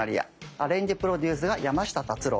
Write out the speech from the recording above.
アレンジプロデュースが山下達郎。